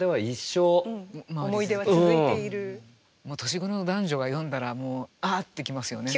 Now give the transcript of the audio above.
年頃の男女が読んだらもうああって来ますよね。